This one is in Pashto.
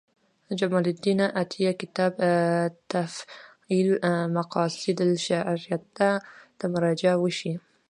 جمال الدین عطیه کتاب تفعیل مقاصد الشریعة ته مراجعه وشي.